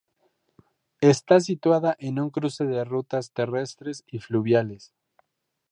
Está situada en un cruce de rutas terrestres y fluviales.